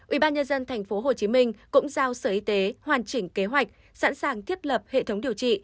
ubnd tp hcm cũng giao sở y tế hoàn chỉnh kế hoạch sẵn sàng thiết lập hệ thống điều trị